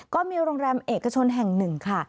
ก็มีโรงแรมเอกชนแห่งหนึ่งค่ะ